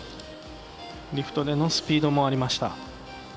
リフトでのスピードもありました。